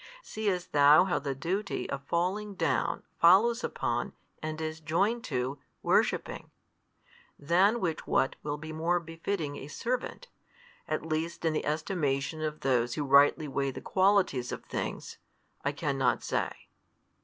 Seest thou how the duty of falling down follows upon, and is joined to, worshipping? than which what will be more befitting a |218 servant, at least in the estimation of those who rightly weigh the qualities of things, I cannot say.